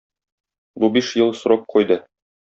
Бу биш ел срок куйды.